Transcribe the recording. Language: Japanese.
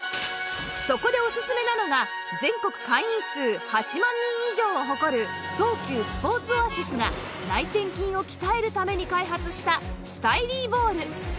そこでおすすめなのが全国会員数８万人以上を誇る東急スポーツオアシスが内転筋を鍛えるために開発したスタイリーボール